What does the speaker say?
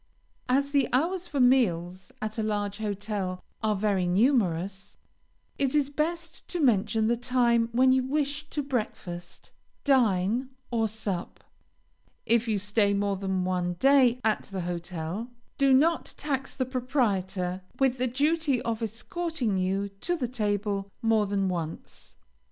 As the hours for meals, at a large hotel, are very numerous, it is best to mention the time when you wish to breakfast, dine, or sup. If you stay more than one day at the hotel, do not tax the proprietor with the duty of escorting you to the table more than once.